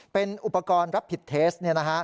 เป็นอุปกรณ์รับผิดเทส